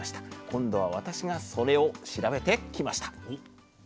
今度は私がそれを調べてきました。